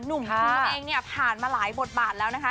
หนุ่มทิ้มเองเนี่ยผ่านมาหลายบทบาทแล้วนะคะ